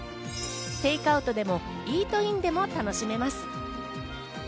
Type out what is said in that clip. テイクアウトでもイートインでも楽しめます。